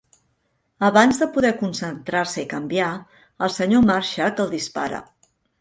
Abans de poder concentrar-se i canviar, el senyor Marshak el dispara.